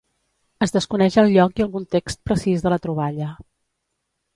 Es desconeix el lloc i el context precís de la troballa.